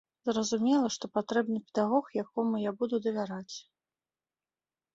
Зразумела, што патрэбны педагог, якому я буду давяраць.